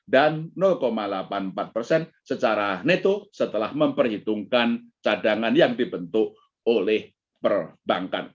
dan delapan puluh empat persen secara neto setelah memperhitungkan cadangan yang dibentuk oleh perbankan